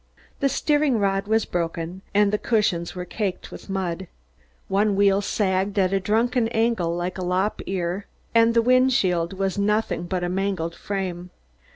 The steering rod was broken and the cushions were caked with mud. One wheel sagged at a drunken angle like a lop ear and the wind shield was nothing but a mangled frame.